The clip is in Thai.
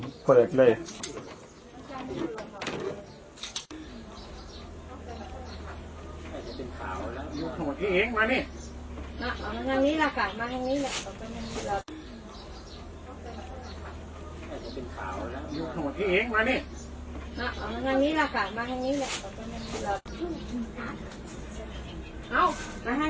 ถ้าจะเป็นข่าวแล้วอยู่ข้างหลังนี้เองมานี่อ๋อนั่นนี่แหละค่ะ